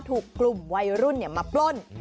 ถูกกลุ่มวัยรุ่นมาปล้น